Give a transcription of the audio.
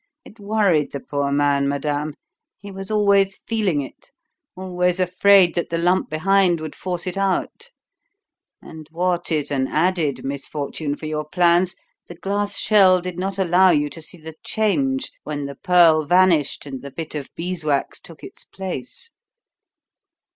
It worried the poor man, madame; he was always feeling it, always afraid that the lump behind would force it out; and, what is an added misfortune for your plans, the glass shell did not allow you to see the change when the pearl vanished and the bit of beeswax took its place.